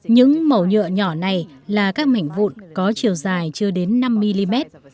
những màu nhựa nhỏ này là các mảnh vụn có chiều dài chưa đến năm mm